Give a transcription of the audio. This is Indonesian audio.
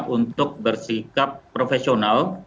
untuk bersikap profesional